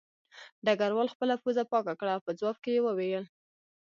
ډګروال خپله پوزه پاکه کړه او په ځواب کې یې وویل